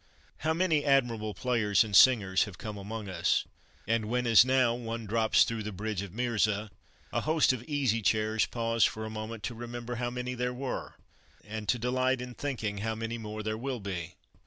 How many admirable players and singers have come among us! And when, as now, one drops through the bridge of Mirza, a host of Easy Chairs pause for a moment to remember how many there were, and to delight in thinking how many more there will be.